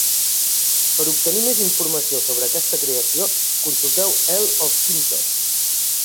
Per obtenir més informació sobre aquesta creació, consulteu Earl of Kintore.